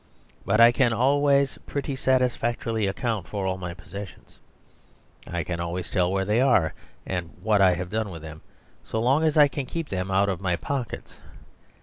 But I can always pretty satisfactorily account for all my possessions. I can always tell where they are, and what I have done with them, so long as I can keep them out of my pockets.